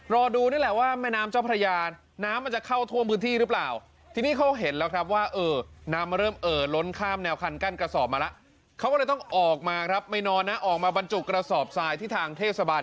รอดูนี่แหละว่าแม่น้ำเจ้าพระยานน้ำมันจะเข้าทั่วพื้นที่หรือเปล่าทีนี้เขาเห็นแล้วครับว่าเออน้ำมันเริ่มเอ่อล้นข้ามแนวคันกั้นกระสอบมาแล้ว